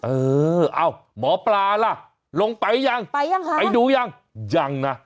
เออเอ้าหมอปลาล่ะลงไปยังไปยังคะไปดูยังยังนะ